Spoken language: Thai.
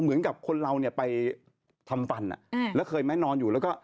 เหมือนกับคนเราเนี่ยไปทำฟันแล้วเคยไหมนอนอยู่แล้วก็